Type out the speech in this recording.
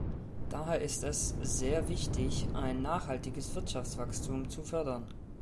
Daher ist es sehr wichtig, ein nachhaltiges Wirtschaftswachstum zu fördern.